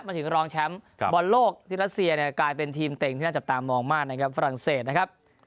เกือบจะพีคแล้วมาถึงรองแชมป์บ่อนโลกที่รัสเซียกลายเป็นทีมเต่งที่น่าจะตามมองมากนะครับฝรั่งเศสนะครับ